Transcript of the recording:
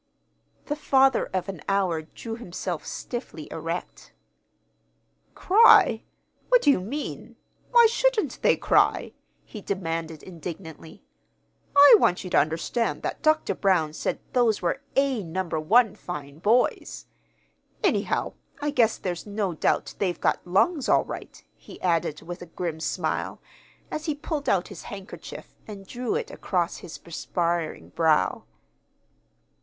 The father of an hour drew himself stiffly erect. "Cry? What do you mean? Why shouldn't they cry?" he demanded indignantly. "I want you to understand that Doctor Brown said those were A number I fine boys! Anyhow, I guess there's no doubt they've got lungs all right," he added, with a grim smile, as he pulled out his handkerchief and drew it across his perspiring brow.